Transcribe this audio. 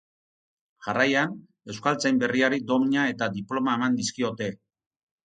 Jarraian, euskaltzain berriari domina eta diploma eman dizkiote.